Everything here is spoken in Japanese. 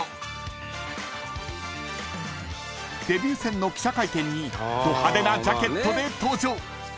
［デビュー戦の記者会見にド派手なジャケットで登場］